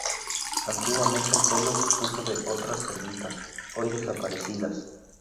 Antiguamente el pueblo dispuso de otras ermitas, hoy desaparecidas.